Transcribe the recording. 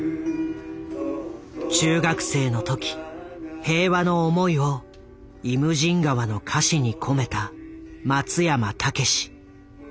中学生の時平和の思いを「イムジン河」の歌詞に込めた松山猛。